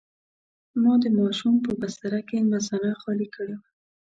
ما د ماشوم په بستره کې مثانه خالي کړې وه.